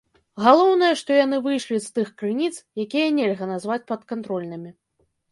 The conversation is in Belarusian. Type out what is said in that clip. Галоўнае, што яны выйшлі з тых крыніц, якія нельга назваць падкантрольнымі.